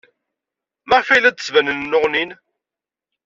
Maɣef ay la d-ttbanen nneɣnin?